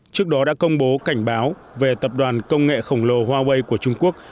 trước đó đã công bố cảnh báo về tập đoàn công nghệ khổng lồ huawei của trung quốc